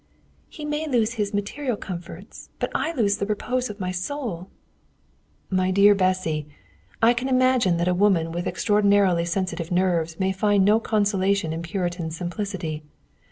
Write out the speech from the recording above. "He may lose his material comforts, but I lose the repose of my soul." "My dear Bessy, I can imagine that a woman with extraordinarily sensitive nerves may find no consolation in Puritan simplicity.